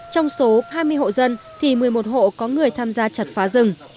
trong số hai mươi hộ dân thì một mươi một hộ có người tham gia chặt phá rừng